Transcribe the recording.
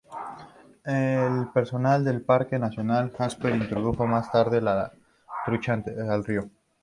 El personal del Parque Nacional Jasper introdujo más tarde la trucha de río.